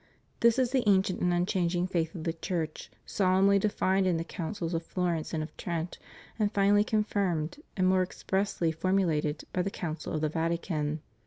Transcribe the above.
This is the ancient and unchanging faith of the Church, solemnly defined in the Councils of Florence and of Trent, and finally confirmed and more expressly formulated by the Council of the Vatican.